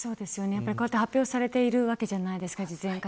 こうやって発表されているじゃないですか事前に。